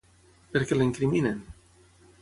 Per què la incriminen?